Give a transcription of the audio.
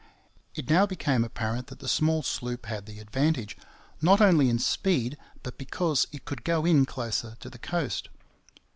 It now became apparent that the small sloop had the advantage, not only in speed, but because it could go in closer to the coast.